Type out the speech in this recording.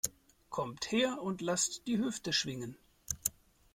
Kommt her und lasst die Hüfte schwingen!